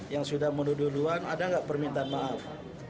yang sudah menuduh duluan ada nggak permintaan maaf